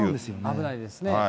危ないですよね。